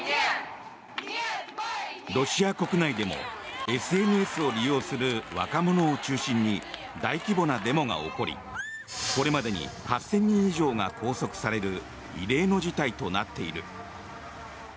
ロシア国内でもＳＮＳを利用する若者を中心に大規模なデモが起こりこれまでに８０００人以上が拘束される異例の事態となっている。